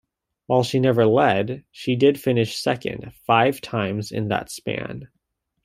While she never led, she did finish second five times in that span.